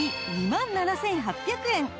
２万７８００円